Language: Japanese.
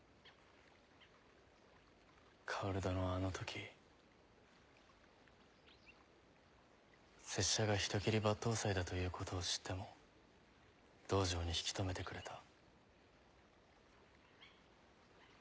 薫殿はあの時拙者が人斬り抜刀斎だということを知っても道場に引き留めてくれた。